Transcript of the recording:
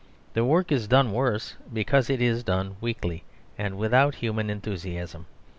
The work is done worse because it is done weakly and without human enthusiasm.